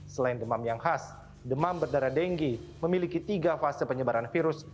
selain demam yang khas demam berdarah dengue memiliki tiga fase penyebaran virus